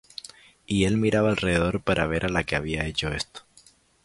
Y él miraba alrededor para ver á la que había hecho esto.